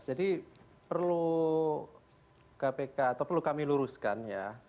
jadi perlu kpk atau perlu kami luruskan ya